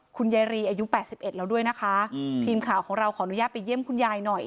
คุณยายรีอายุ๘๑แล้วด้วยนะคะทีมข่าวของเราขออนุญาตไปเยี่ยมคุณยายหน่อย